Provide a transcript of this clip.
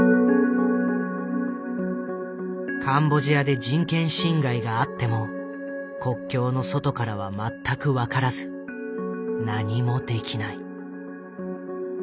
カンボジアで人権侵害があっても国境の外からは全く分からず何もできない。